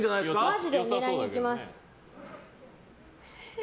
マジで狙いにいきます。